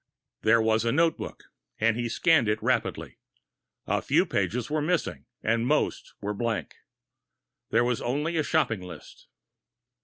There was a notebook, and he scanned it rapidly. A few pages were missing, and most were blank. There was only a shopping list.